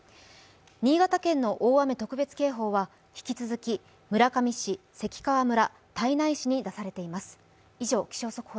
新潟県の大雨特別警報は引き続き村上市、関川村、胎内市に出されています。